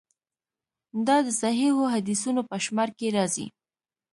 دا د صحیحو حدیثونو په شمار کې راځي.